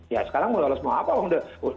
ya sekarang mulai lolos mau apa